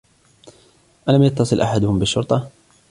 ألم يتصل أحدهم بالشرطة ؟